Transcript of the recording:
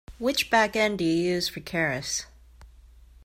Which backend do you use for Keras?